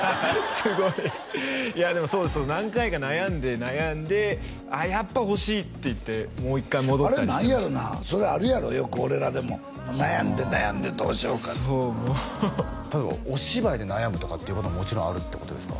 すごいいやでもそう何回か悩んで悩んで「やっぱ欲しい」って言ってもう一回戻ったりあれなんやろなそれあるやろよく俺らでも悩んで悩んでどうしようかってお芝居で悩むとかっていうことももちろんあるってことですか？